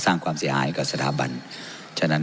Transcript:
สร้างความเสียหายกับสถาบัน